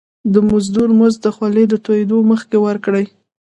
د مزدور مزد د خولي د تويدو مخکي ورکړی.